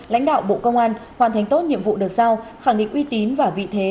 lãnh đạo bộ công an hoàn thành tốt nhiệm vụ được giao khẳng định uy tín và vị thế